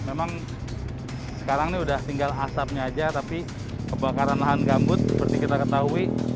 memang sekarang ini sudah tinggal asapnya aja tapi kebakaran lahan gambut seperti kita ketahui